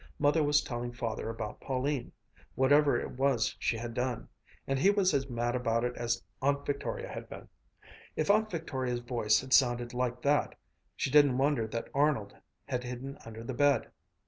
Mother was telling Father about Pauline whatever it was she had done and he was as mad about it as Aunt Victoria had been. If Aunt Victoria's voice had sounded like that, she didn't wonder that Arnold had hidden under the bed.